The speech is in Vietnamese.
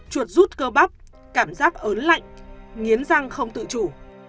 chuột rút cơ bắp cảm giác ớn lạnh nghiến răng không tự chủ